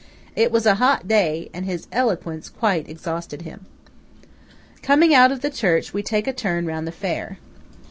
It was a hot day, and his eloquence quite exhausted him. Coming out of the church, we take a turn round the fair.